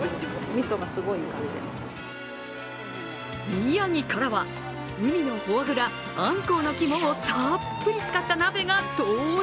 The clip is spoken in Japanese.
宮城からは、海のフォアグラアンコウのきもをたっぷり使った鍋が登場。